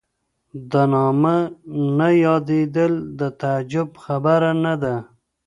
د نامه نه یادېدل د تعجب خبره نه ده.